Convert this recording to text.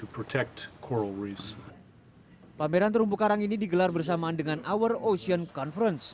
pameran terumbu karang ini digelar bersamaan dengan our ocean conference